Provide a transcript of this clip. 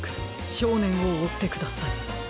しょうねんをおってください。